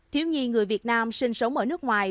thiếu nhi người việt nam sinh sống ở nước ngoài